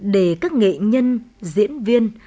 để các nghệ nhân diễn viên